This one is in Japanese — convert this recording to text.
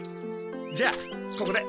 じゃあここで。